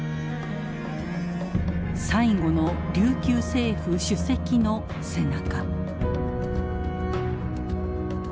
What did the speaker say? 最後の琉球政府主席の背中。